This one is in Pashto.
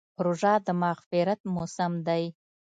روژه د مغفرت موسم دی.